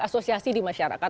asosiasi di masyarakat